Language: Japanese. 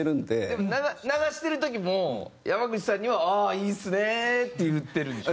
でも流してる時も山口さんには「ああいいですね」って言ってる？